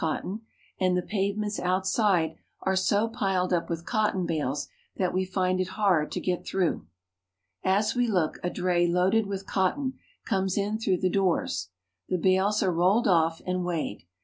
cotton, and the pavements outside are so piled up with cotton bales that we find it hard to get through. As we look, a dray loaded with cotton comes in through the doors. The bales are rolled off and weighed.